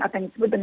atau yang disebut